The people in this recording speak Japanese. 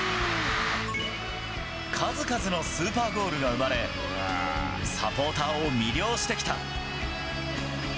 数々のスーパーゴールが生まれ、サポーターを魅了してきた。